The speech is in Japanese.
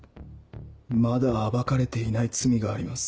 まだ暴かれていない罪があります。